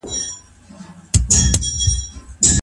زه د رسول الله سره څنګه مخ سوم؟